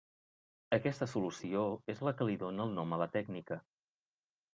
Aquesta solució és la que li dóna el nom a la tècnica.